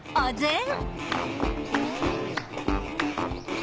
ん。